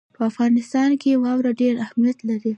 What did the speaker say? په افغانستان کې واوره ډېر اهمیت لري.